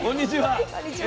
こんにちは。